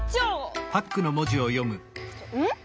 うん？